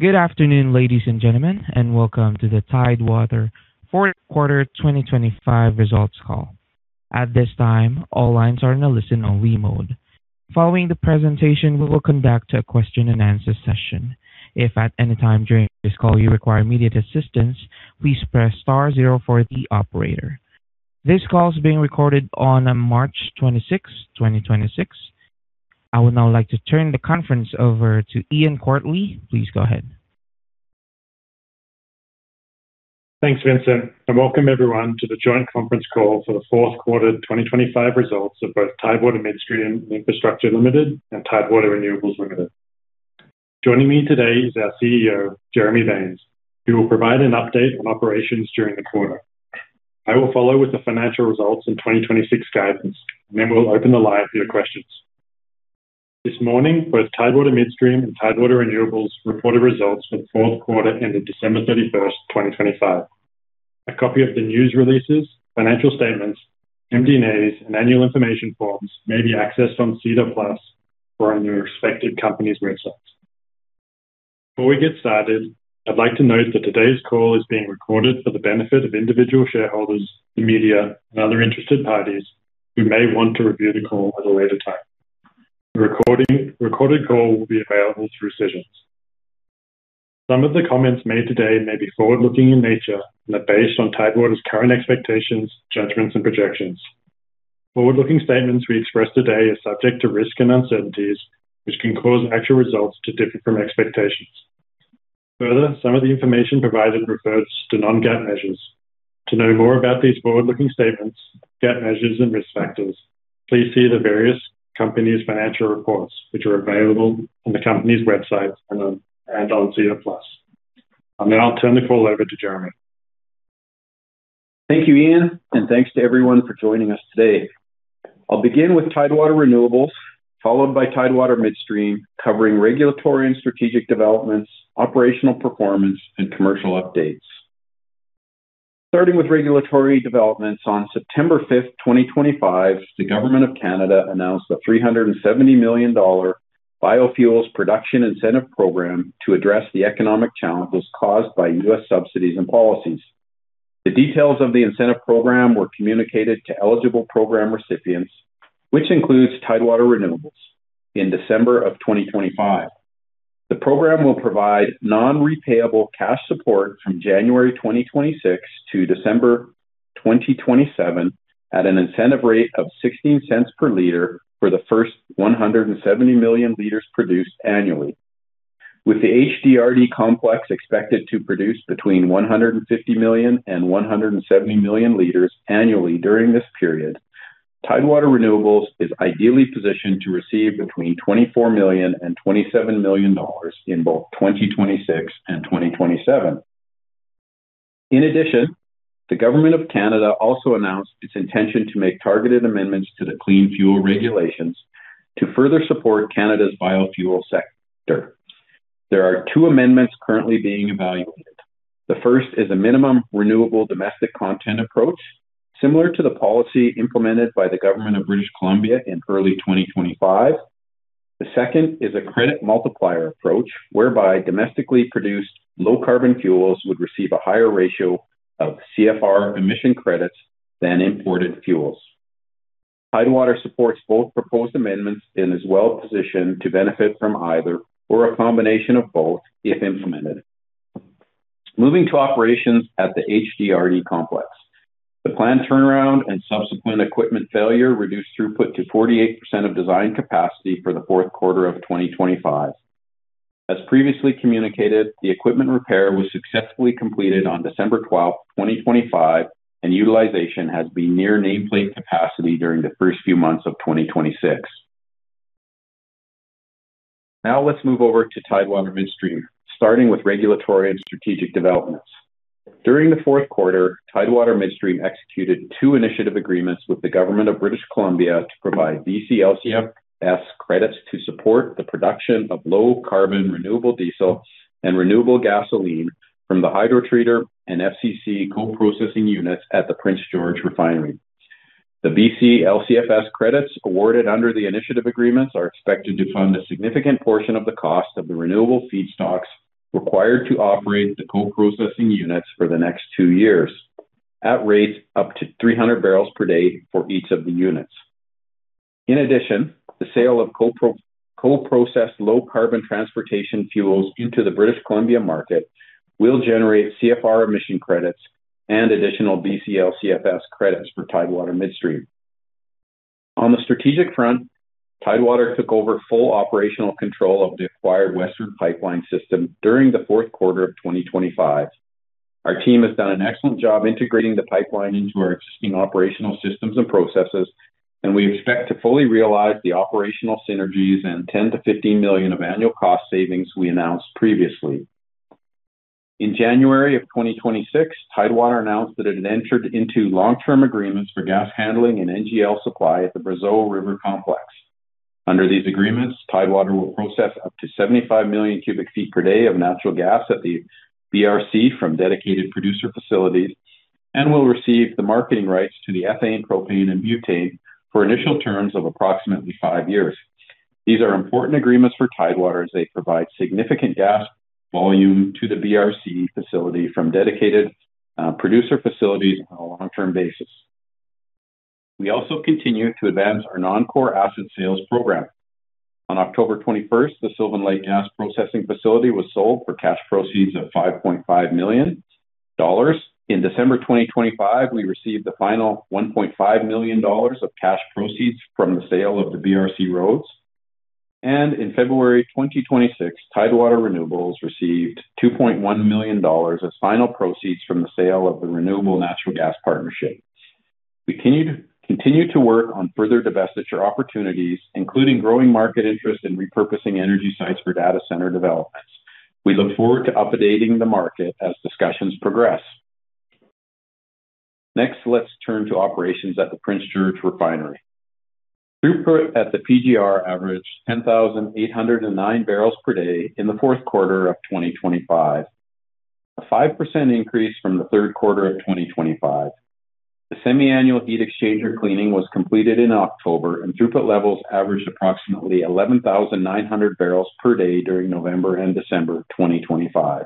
Good afternoon, ladies and gentlemen, and welcome to the Tidewater Fourth Quarter 2025 Results Call. At this time, all lines are in a listen-only mode. Following the presentation, we will conduct a question-and-answer session. If at any time during this call you require immediate assistance, please press star zero for the operator. This call is being recorded on March 26, 2026. I would now like to turn the conference over to Ian Quartly. Please go ahead. Thanks, Vincent, and welcome everyone to the joint conference call for the fourth quarter 2025 results of both Tidewater Midstream and Infrastructure Ltd. and Tidewater Renewables Ltd. Joining me today is our CEO, Jeremy Baines, who will provide an update on operations during the quarter. I will follow with the financial results and 2026 guidance, and then we'll open the line for your questions. This morning, both Tidewater Midstream and Tidewater Renewables reported results for the fourth quarter ended December 31, 2025. A copy of the news releases, financial statements, MD&As, and annual information forms may be accessed on SEDAR+ or on your respective company's websites. Before we get started, I'd like to note that today's call is being recorded for the benefit of individual shareholders, the media, and other interested parties who may want to review the call at a later time. The recorded call will be available through sessions. Some of the comments made today may be forward-looking in nature and are based on Tidewater's current expectations, judgments, and projections. Forward-looking statements we express today are subject to risks and uncertainties, which can cause actual results to differ from expectations. Further, some of the information provided refers to non-GAAP measures. To know more about these forward-looking statements, GAAP measures, and risk factors, please see the various company's financial reports, which are available on the company's website and on SEDAR+. Then I'll turn the call over to Jeremy. Thank you, Ian, and thanks to everyone for joining us today. I'll begin with Tidewater Renewables, followed by Tidewater Midstream, covering regulatory and strategic developments, operational performance, and commercial updates. Starting with regulatory developments, on September fifth, 2025, the Government of Canada announced a 370 million dollar Biofuels Production Incentive program to address the economic challenges caused by U.S. subsidies and policies. The details of the incentive program were communicated to eligible program recipients, which includes Tidewater Renewables in December 2025. The program will provide non-repayable cash support from January 2026 to December 2027 at an incentive rate of 0.16 per liter for the first 170 million liters produced annually. With the HDRD Complex expected to produce between 150 million liters and 170 million liters annually during this period, Tidewater Renewables is ideally positioned to receive between 24 million and 27 million dollars in both 2026 and 2027. In addition, the Government of Canada also announced its intention to make targeted amendments to the Clean Fuel Regulations to further support Canada's biofuel sector. There are two amendments currently being evaluated. The first is a minimum renewable domestic content approach, similar to the policy implemented by the Government of British Columbia in early 2025. The second is a credit multiplier approach, whereby domestically produced low-carbon fuels would receive a higher ratio of CFR emission credits than imported fuels. Tidewater supports both proposed amendments and is well-positioned to benefit from either or a combination of both if implemented. Moving to operations at the HDRD Complex. The planned turnaround and subsequent equipment failure reduced throughput to 48% of design capacity for the fourth quarter of 2025. As previously communicated, the equipment repair was successfully completed on December twelfth, 2025, and utilization has been near nameplate capacity during the first few months of 2026. Now let's move over to Tidewater Midstream, starting with regulatory and strategic developments. During the fourth quarter, Tidewater Midstream executed two initiative agreements with the Government of British Columbia to provide BC LCFS credits to support the production of low-carbon renewable diesel and renewable gasoline from the hydrotreater and FCC co-processing units at the Prince George Refinery. The BC LCFS credits awarded under the initiative agreements are expected to fund a significant portion of the cost of the renewable feedstocks required to operate the co-processing units for the next two years at rates up to 300 barrels per day for each of the units. In addition, the sale of co-processed low-carbon transportation fuels into the British Columbia market will generate CFR emission credits and additional BC LCFS credits for Tidewater Midstream. On the strategic front, Tidewater took over full operational control of the acquired Western Pipeline system during the fourth quarter of 2025. Our team has done an excellent job integrating the pipeline into our existing operational systems and processes, and we expect to fully realize the operational synergies and 10 million-15 million of annual cost savings we announced previously. In January 2026, Tidewater announced that it had entered into long-term agreements for gas handling and NGL supply at the Brazeau River Complex. Under these agreements, Tidewater will process up to 75 million ft³ per day of natural gas at the BRC from dedicated producer facilities and will receive the marketing rights to the ethane, propane and butane for initial terms of approximately five years. These are important agreements for Tidewater as they provide significant gas volume to the BRC facility from dedicated producer facilities on a long-term basis. We also continue to advance our non-core asset sales program. On October 21, the Sylvan Lake gas processing facility was sold for cash proceeds of 5.5 million dollars. In December 2025, we received the final 1.5 million dollars of cash proceeds from the sale of the BRC roads. In February 2026, Tidewater Renewables received 2.1 million dollars of final proceeds from the sale of the Rimrock Renewables Limited Partnership. We continue to work on further divestiture opportunities, including growing market interest in repurposing energy sites for data center developments. We look forward to updating the market as discussions progress. Next, let's turn to operations at the Prince George Refinery. Throughput at the PGR averaged 10,809 barrels per day in the fourth quarter of 2025, a 5% increase from the third quarter of 2025. The semi-annual heat exchanger cleaning was completed in October, and throughput levels averaged approximately 11,900 barrels per day during November and December 2025.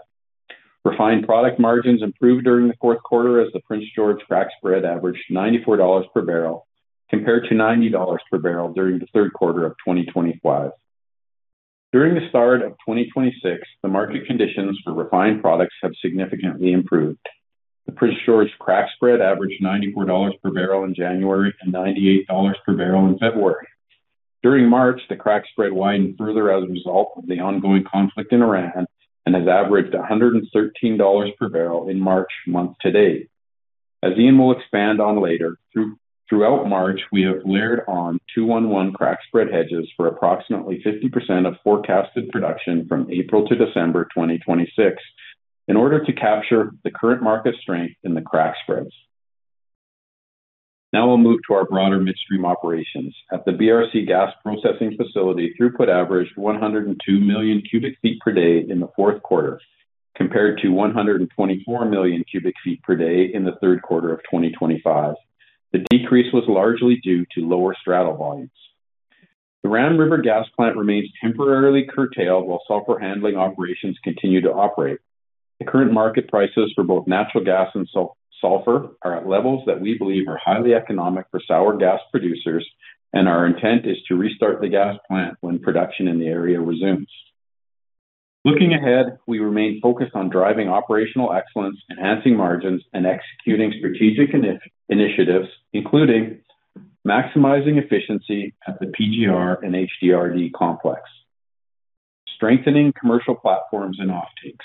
Refined product margins improved during the fourth quarter as the Prince George crack spread averaged 94 dollars per barrel, compared to 90 dollars per barrel during the third quarter of 2025. During the start of 2026, the market conditions for refined products have significantly improved. The Prince George crack spread averaged 94 dollars per barrel in January and 98 dollars per barrel in February. During March, the crack spread widened further as a result of the ongoing conflict in Iran and has averaged 113 dollars per barrel in March month to date. As Ian will expand on later, throughout March, we have layered on 2-1-1 crack spread hedges for approximately 50% of forecasted production from April to December 2026 in order to capture the current market strength in the crack spreads. Now we'll move to our broader midstream operations. At the BRC gas processing facility, throughput averaged 102 million ft³ per day in the fourth quarter, compared to 124 million ft³ per day in the third quarter of 2025. The decrease was largely due to lower straddle volumes. The Ram River gas plant remains temporarily curtailed while sulfur handling operations continue to operate. The current market prices for both natural gas and sulfur are at levels that we believe are highly economic for sour gas producers, and our intent is to restart the gas plant when production in the area resumes. Looking ahead, we remain focused on driving operational excellence, enhancing margins, and executing strategic initiatives, including maximizing efficiency at the PGR and HDRD Complex, strengthening commercial platforms and offtakes,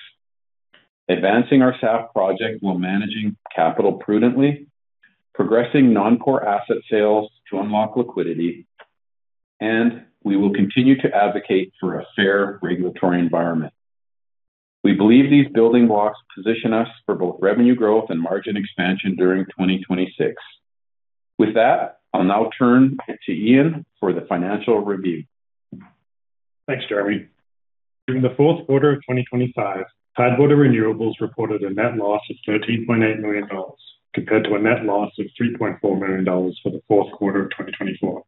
advancing our SAF project while managing capital prudently, progressing non-core asset sales to unlock liquidity, and we will continue to advocate for a fair regulatory environment. We believe these building blocks position us for both revenue growth and margin expansion during 2026. With that, I'll now turn to Ian for the financial review. Thanks, Jeremy. During the fourth quarter of 2025, Tidewater Renewables reported a net loss of 13.8 million dollars compared to a net loss of 3.4 million dollars for the fourth quarter of 2024.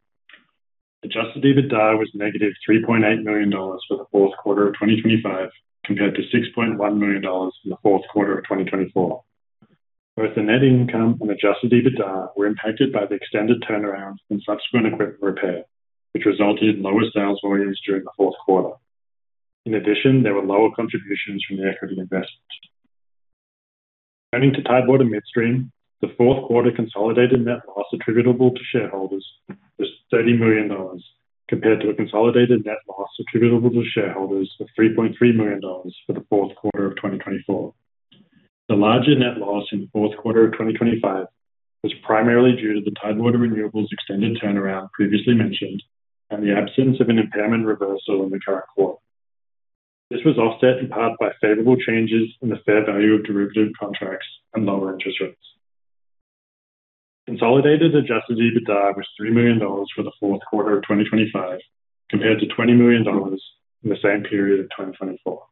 Adjusted EBITDA was -3.8 million dollars for the fourth quarter of 2025 compared to 6.1 million dollars in the fourth quarter of 2024. Both the net income and Adjusted EBITDA were impacted by the extended turnarounds and subsequent equipment repair, which resulted in lower sales volumes during the fourth quarter. In addition, there were lower contributions from the equity investments. Turning to Tidewater Midstream, the fourth quarter consolidated net loss attributable to shareholders was 30 million dollars compared to a consolidated net loss attributable to shareholders of 3.3 million dollars for the fourth quarter of 2024. The larger net loss in the fourth quarter of 2025 was primarily due to the Tidewater Renewables extended turnaround previously mentioned and the absence of an impairment reversal in the current quarter. This was offset in part by favorable changes in the fair value of derivative contracts and lower interest rates. Consolidated adjusted EBITDA was 3 million dollars for the fourth quarter of 2025 compared to 20 million dollars in the same period of 2024.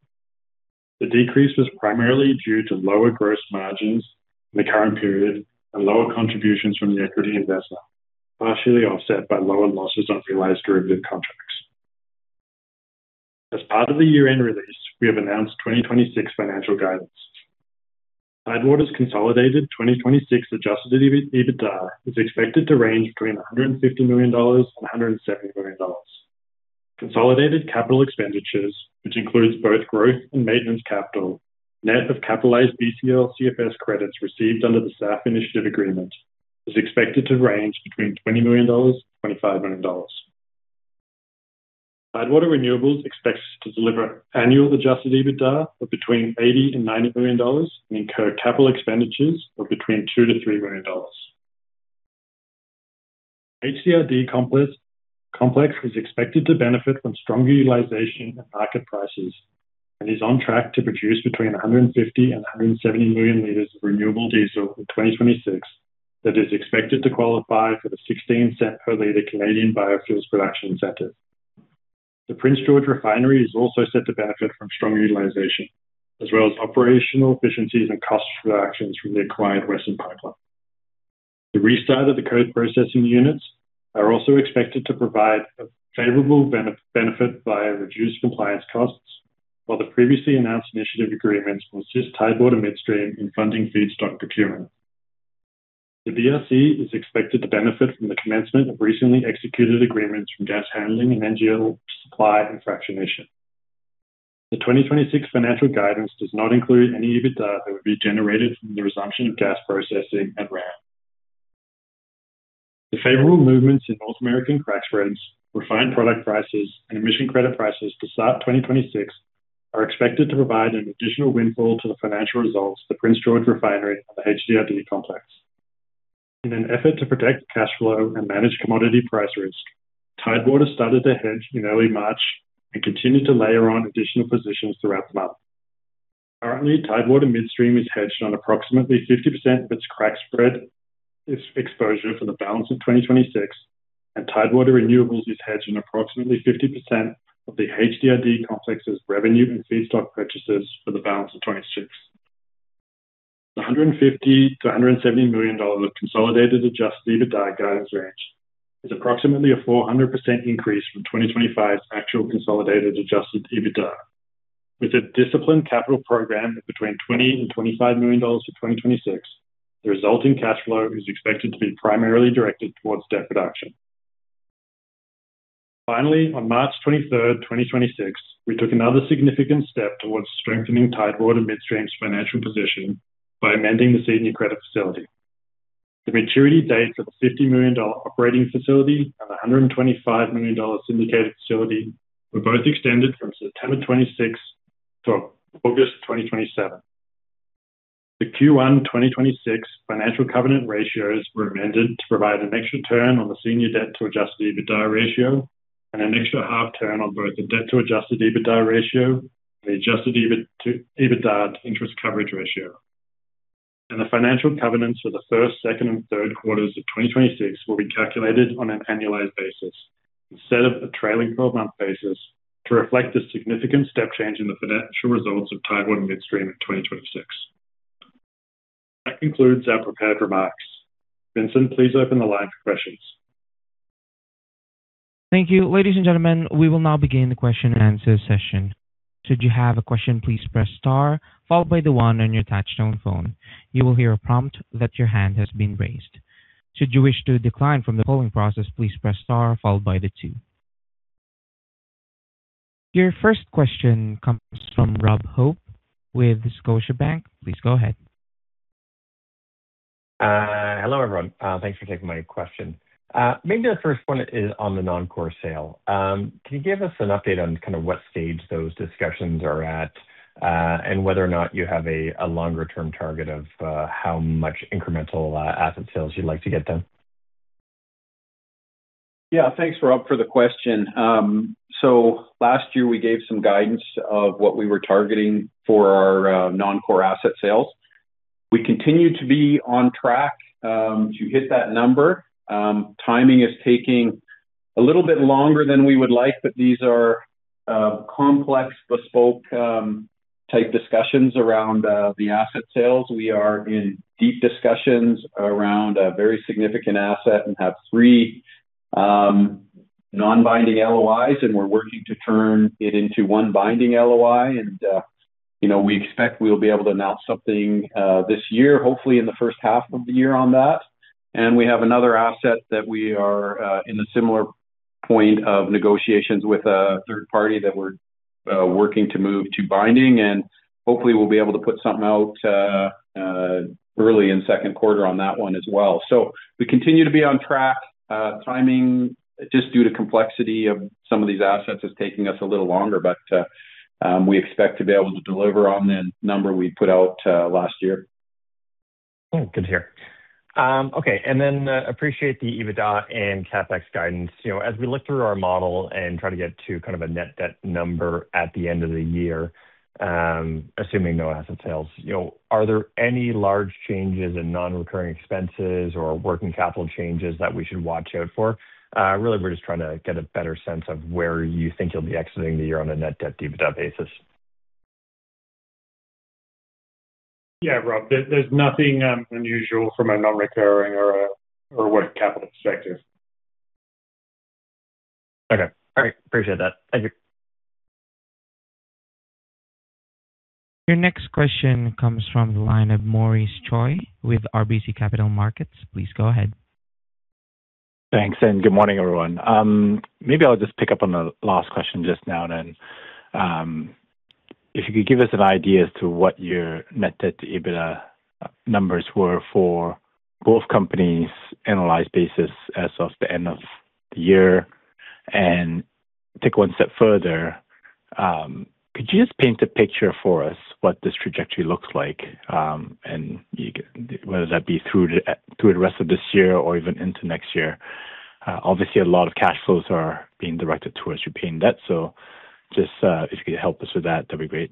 The decrease was primarily due to lower gross margins in the current period and lower contributions from the equity investor, partially offset by lower losses on realized derivative contracts. As part of the year-end release, we have announced 2026 financial guidance. Tidewater's consolidated 2026 adjusted EBITDA is expected to range between 150 million dollars and 170 million dollars. Consolidated capital expenditures, which includes both growth and maintenance capital, net of capitalized BC LCFS credits received under the SAF initiative agreement, is expected to range between 20 million dollars and 25 million dollars. Tidewater Renewables expects to deliver annual Adjusted EBITDA of between 80 million and 90 million dollars and incur capital expenditures of between 2 million and 3 million dollars. HDRD Complex is expected to benefit from stronger utilization and market prices and is on track to produce between 150 million and 170 million liters of renewable diesel in 2026 that is expected to qualify for the 0.16 per liter Canadian Biofuels Production Incentive. The Prince George Refinery is also set to benefit from strong utilization as well as operational efficiencies and cost reductions from the acquired Western Pipeline. The restart of the gas processing units are also expected to provide a favorable benefit via reduced compliance costs while the previously announced incentive agreements will assist Tidewater Midstream in funding feedstock procurement. The BRC is expected to benefit from the commencement of recently executed agreements for gas handling and NGL supply and fractionation. The 2026 financial guidance does not include any EBITDA that would be generated from the resumption of gas processing at Ram River. The favorable movements in North American crack spreads, refined product prices and emission credit prices to start 2026 are expected to provide an additional windfall to the financial results of the Prince George Refinery on the HDRD Complex. In an effort to protect cash flow and manage commodity price risk, Tidewater started their hedge in early March and continued to layer on additional positions throughout the month. Currently, Tidewater Midstream is hedged on approximately 50% of its crack spread, its exposure for the balance of 2026, and Tidewater Renewables is hedged on approximately 50% of the HDRD Complex's revenue and feedstock purchases for the balance of 2026. The CAD 150 million-CAD 170 million of consolidated Adjusted EBITDA guidance range is approximately a 400% increase from 2025's actual consolidated Adjusted EBITDA. With a disciplined capital program of between 20 million and 25 million dollars for 2026, the resulting cash flow is expected to be primarily directed towards debt reduction. Finally, on March 23th, 2026, we took another significant step towards strengthening Tidewater Midstream's financial position by amending the senior credit facility. The maturity dates of the CAD 50 million operating facility and the CAD 125 million syndicated facility were both extended from September 26th to August 2027. The Q1 2026 financial covenant ratios were amended to provide an extra turn on the senior debt to adjusted EBITDA ratio and an extra half turn on both the debt to adjusted EBITDA ratio and the adjusted EBITDA to interest coverage ratio. The financial covenants for the first, second and third quarters of 2026 will be calculated on an annualized basis instead of a trailing twelve-month basis to reflect the significant step change in the financial results of Tidewater Midstream in 2026. That concludes our prepared remarks. Vincent, please open the line for questions. Thank you. Ladies and gentlemen, we will now begin the question and answer session. Should you have a question, please press star followed by the one on your touchtone phone. You will hear a prompt that your hand has been raised. Should you wish to decline from the polling process, please press star followed by the two. Your first question comes from Robert Hope with Scotiabank. Please go ahead. Hello, everyone. Thanks for taking my question. Maybe the first one is on the non-core sale. Can you give us an update on kind of what stage those discussions are at, and whether or not you have a longer-term target of how much incremental asset sales you'd like to get done? Yeah. Thanks, Rob, for the question. Last year we gave some guidance of what we were targeting for our non-core asset sales. We continue to be on track to hit that number. Timing is taking a little bit longer than we would like, but these are complex bespoke type discussions around the asset sales. We are in deep discussions around a very significant asset and have three non-binding LOIs and we're working to turn it into one binding LOI. You know, we expect we will be able to announce something this year, hopefully in the first half of the year on that. We have another asset that we are in a similar point of negotiations with a third party that we're working to move to binding and hopefully we'll be able to put something out early in second quarter on that one as well. We continue to be on track. Timing, just due to complexity of some of these assets is taking us a little longer, but we expect to be able to deliver on the number we put out last year. Good to hear. Okay. Appreciate the EBITDA and CapEx guidance. You know, as we look through our model and try to get to kind of a net debt number at the end of the year, assuming no asset sales, you know, are there any large changes in non-recurring expenses or working capital changes that we should watch out for? Really we're just trying to get a better sense of where you think you'll be exiting the year on a net debt to EBITDA basis. Yeah, Rob, there's nothing unusual from a non-recurring or working capital perspective. Okay. All right. Appreciate that. Thank you. Your next question comes from the line of Maurice Choy with RBC Capital Markets. Please go ahead. Thanks, and good morning, everyone. Maybe I'll just pick up on the last question just now then. If you could give us an idea as to what your net debt to EBITDA numbers were for both companies annualized basis as of the end of the year. Take one step further, could you just paint a picture for us what this trajectory looks like, whether that be through the rest of this year or even into next year. Obviously a lot of cash flows are being directed towards repaying debt. Just if you could help us with that'd be great.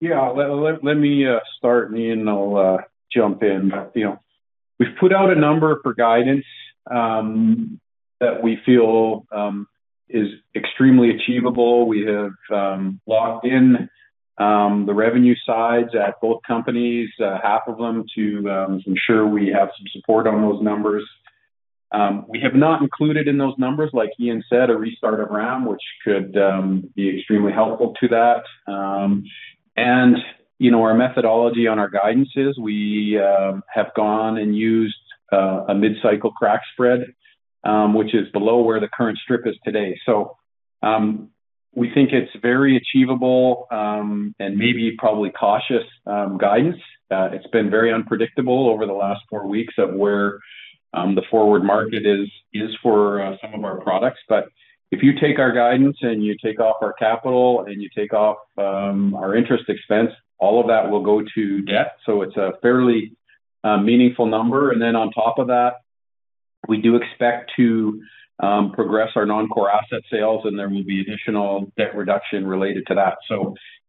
Yeah. Let me start, Ian. I'll jump in. You know, we've put out a number for guidance that we feel is extremely achievable. We have locked in the revenue sides at both companies, half of them to ensure we have some support on those numbers. We have not included in those numbers, like Ian said, a restart of Ram River, which could be extremely helpful to that. You know, our methodology on our guidances, we have gone and used a mid-cycle crack spread, which is below where the current strip is today. We think it's very achievable and maybe probably cautious guidance. It's been very unpredictable over the last four weeks of where the forward market is for some of our products. If you take our guidance and you take off our capital and you take off our interest expense, all of that will go to debt. It's a fairly meaningful number. Then on top of that, we do expect to progress our non-core asset sales, and there will be additional debt reduction related to that.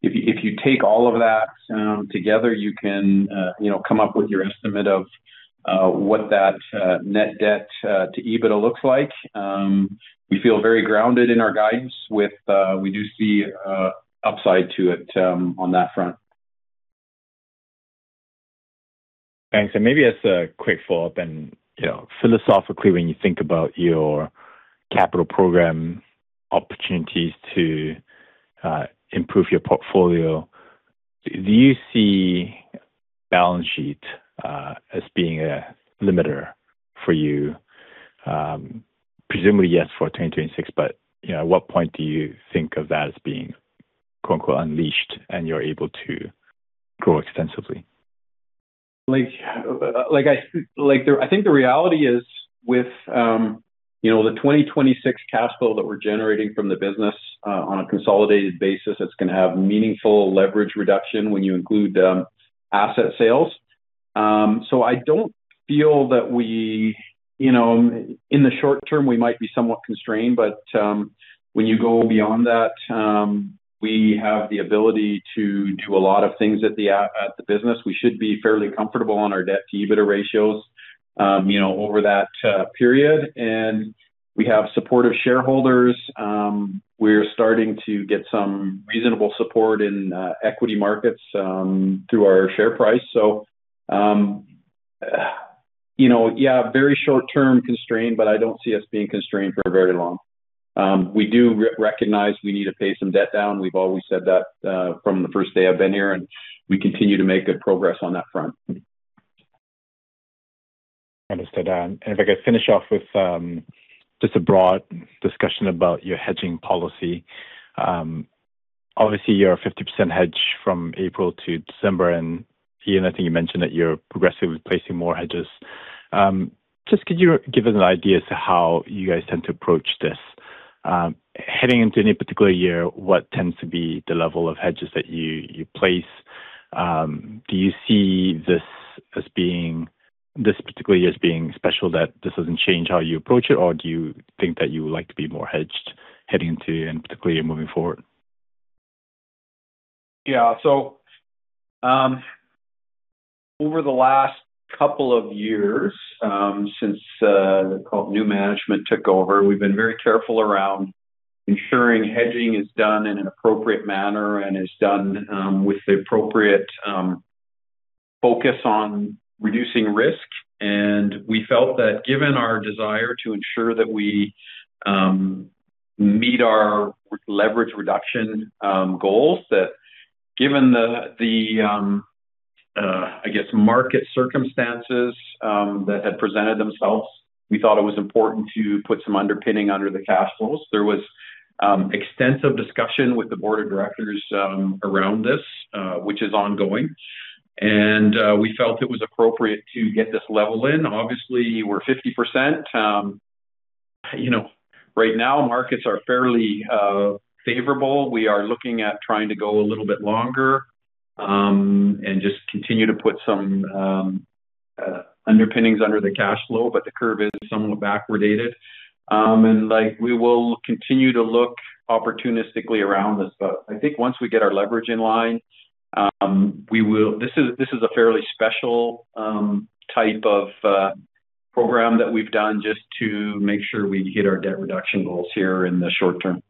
If you take all of that together, you can, you know, come up with your estimate of what that net debt to EBITDA looks like. We feel very grounded in our guidance. We do see upside to it on that front. Thanks. Maybe as a quick follow-up and, you know, philosophically, when you think about your capital program opportunities to improve your portfolio, do you see balance sheet as being a limiter for you? Presumably yes, for 2026, but, you know, at what point do you think of that as being, quote-unquote, unleashed and you're able to grow extensively? I think the reality is with, you know, the 2026 cash flow that we're generating from the business, on a consolidated basis, it's going to have meaningful leverage reduction when you include asset sales. I don't feel that we, you know, in the short term, we might be somewhat constrained, but when you go beyond that, we have the ability to do a lot of things at the business. We should be fairly comfortable on our debt to EBITDA ratios, you know, over that period. We have supportive shareholders. We're starting to get some reasonable support in equity markets through our share price. Very short term constrained, but I don't see us being constrained for very long. We do recognize we need to pay some debt down. We've always said that, from the first day I've been here, and we continue to make good progress on that front. Understood. If I could finish off with just a broad discussion about your hedging policy. Obviously, you're a 50% hedge from April to December, and, Ian, I think you mentioned that you're progressively placing more hedges. Just could you give us an idea as to how you guys tend to approach this? Heading into any particular year, what tends to be the level of hedges that you place? Do you see this as being this particular year as being special that this doesn't change how you approach it? Or do you think that you would like to be more hedged heading into and particularly moving forward? Yeah, over the last couple of years, since the new management took over, we've been very careful around ensuring hedging is done in an appropriate manner and is done with the appropriate focus on reducing risk. We felt that given our desire to ensure that we meet our leverage reduction goals, that given the I guess market circumstances that had presented themselves, we thought it was important to put some underpinning under the cash flows. There was extensive discussion with the board of directors around this, which is ongoing. We felt it was appropriate to get this level in. Obviously, we're 50%. You know, right now, markets are fairly favorable. We are looking at trying to go a little bit longer and just continue to put some underpinnings under the cash flow, but the curve is somewhat backwardated. Like, we will continue to look opportunistically around this. I think once we get our leverage in line, this is a fairly special type of program that we've done just to make sure we hit our debt reduction goals here in the short term.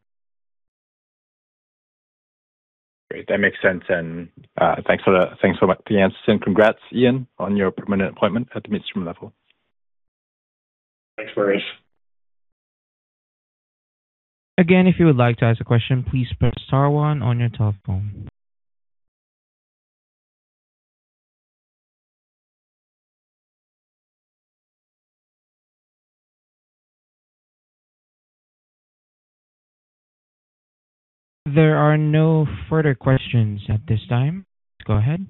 Great. That makes sense. Thanks for that. Thanks so much for the answers. Congrats, Ian, on your permanent appointment at the Midstream level. Thanks, Maurice. Again, if you would like to ask a question, please press star one on your telephone. There are no further questions at this time. Go ahead.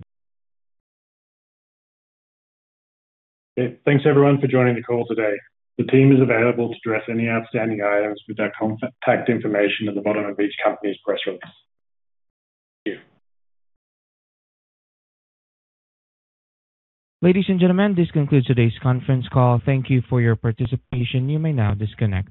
Thanks, everyone, for joining the call today. The team is available to address any outstanding items with their contact information at the bottom of each company's press release. Thank you. Ladies and gentlemen, this concludes today's conference call. Thank you for your participation. You may now disconnect.